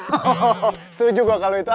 oh setuju gue kalau itu